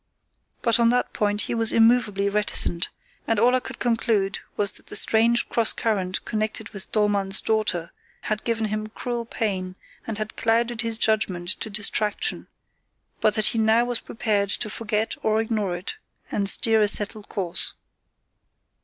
But on that point he was immovably reticent, and all I could conclude was that the strange cross current connected with Dollmann's daughter had given him cruel pain and had clouded his judgement to distraction, but that he now was prepared to forget or ignore it, and steer a settled course.